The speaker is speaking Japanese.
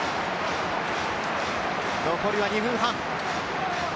残り２分半。